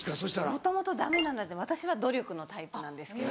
もともとダメなので私は努力のタイプなんですけど。